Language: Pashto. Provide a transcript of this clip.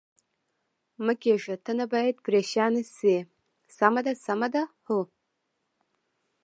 مه کېږه، ته نه باید پرېشانه شې، سمه ده، سمه ده؟ هو.